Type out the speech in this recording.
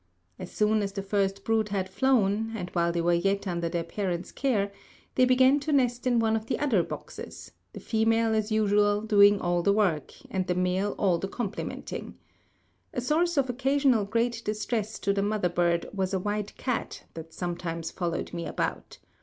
As soon as the first brood had flown, and while they were yet under their parents' care, they began to nest in one of the other boxes, the female as usual doing all the work and the male all the complimenting. A source of occasional great distress to the mother bird was a white cat that sometimes followed me about.